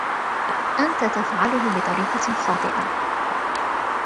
أنت تفعله بطريقة خاطئة!